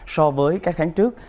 so với các tháng trước